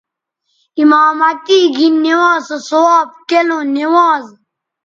امامتی گھن نوانز سو ثواب کیلوں نوانز